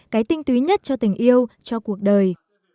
cái tinh túy nhất cho tình yêu cho cuộc đời